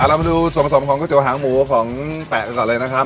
อ่าเรามาดูส่วนผสมของกระโจหางหมูของแปะก่อนเลยนะครับ